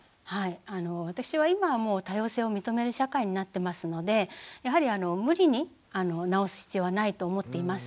私は今はもう多様性を認める社会になってますのでやはり無理に直す必要はないと思っています。